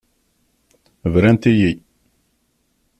Brant-iyi.